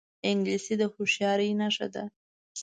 انګلیسي د هوښیارۍ نښه ده